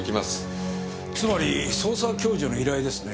つまり捜査共助の依頼ですね？